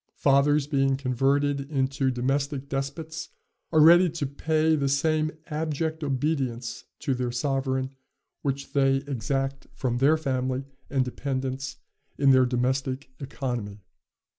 Fathers, being converted into domestic despots, are ready to pay the same abject obedience to their sovereign which they exact from their family and dependents in their domestic economy."